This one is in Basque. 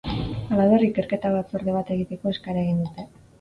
Halaber, ikerketa batzorde bat egiteko eskaera egin dute.